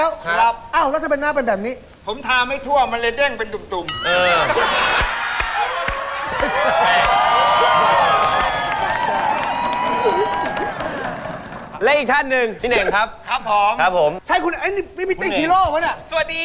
ว้ายครับผมแดน๘ครับผมโอ้โหโดนคดีอะไรครับโดนคดีอะไรฮะ